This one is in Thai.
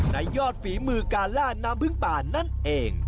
ในยอดฝีมือการล่านนามพึ่งป่านั่นเอง